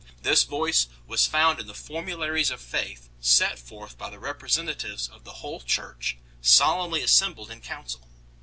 This voice was found in the formularies of faith set forth by the representatives of the whole Church solemnly assembled in council.